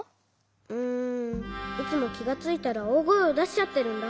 うんいつもきがついたらおおごえをだしちゃってるんだ。